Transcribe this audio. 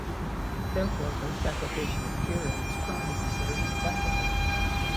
Therefore, this application of curium is currently considered impractical.